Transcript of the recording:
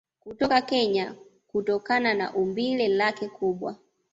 kutoka Kenya kutokana na umbile lake kubwa